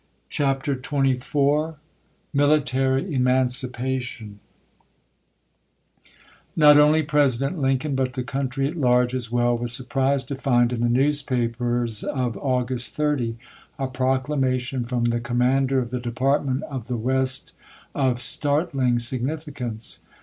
CHAPTER XXIV MILITARY EMANCIPATION CH. XXIV. l^rOT only President Lincoln, but the country X 1 at large as well, was surprised to find, in the 1861. newspapers of August 30, a proclamation from the commander of the Department of the West of start ling significance.